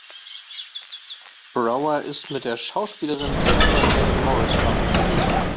Brower ist mit der Schauspielerin Sarah Jane Morris verheiratet.